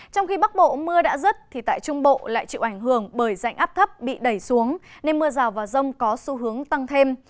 trong khi bắc bộ mưa đã rứt thì tại trung bộ lại chịu ảnh hưởng bởi dạnh áp thấp bị đẩy xuống nên mưa rào và rông có xu hướng tăng thêm